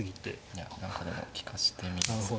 いや何かでも利かしてみるんですか。